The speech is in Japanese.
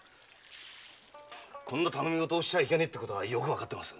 こんな頼みごとをしちゃいけねえってことはよくわかってます。